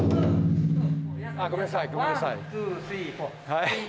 はい。